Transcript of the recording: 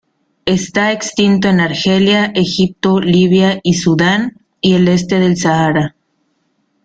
Está extinto en Argelia, Egipto, Libia y Sudán y el este del Sahara.